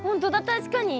確かに。